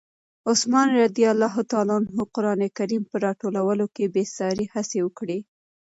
عثمان رض د قرآن کریم په راټولولو کې بې ساري هڅې وکړې.